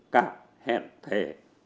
cảm hẹn thề